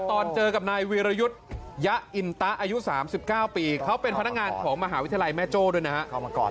ตอนเจอกับนายวีรยุทธ์ยะอินตะอายุ๓๙ปีเขาเป็นพนักงานของมหาวิทยาลัยแม่โจ้ด้วยนะฮะ